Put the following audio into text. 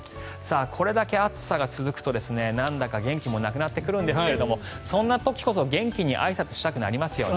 これだけ暑さが続くとなんだか元気もなくなってくるんですがそんな時こそ元気にあいさつしたくなりますよね。